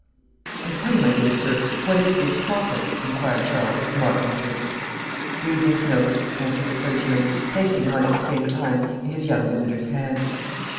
"And pray, my dear sir, what is this topic?" inquired Charles, with marked interest. "Read this note," answered the clergyman, placing one at the same time in his young visitor's hand.